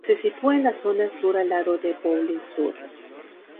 Se sitúa en la zona sur al lado de Bowling sur.